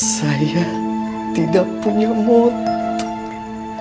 saya tidak punya motor